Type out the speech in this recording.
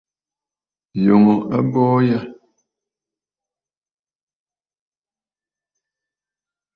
Yòŋə abuu yâ.